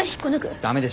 ダメでしょ。